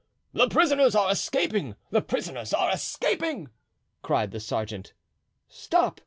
"The prisoners are escaping! the prisoners are escaping!" cried the sergeant. "Stop!